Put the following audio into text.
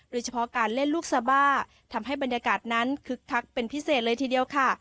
โดยเฉพาะการเล่นลูกซาบ้าทำให้บรรยากาศนั้นคึกคักเป็นพิเศษเลยทีเดียวค่ะ